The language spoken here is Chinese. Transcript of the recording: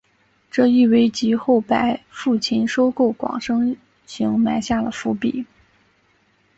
这亦为及后百富勤收购广生行埋下了伏笔。